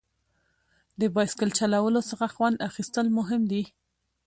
د بایسکل چلولو څخه خوند اخیستل مهم دي.